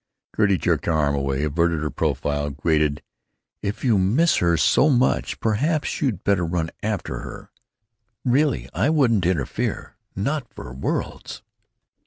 Gertie jerked her arm away, averted her profile, grated: "If you miss her so much, perhaps you'd better run after her. Really, I wouldn't interfere, not for worlds!"